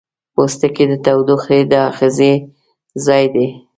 پوستکی د تودوخې د آخذې ځای دی.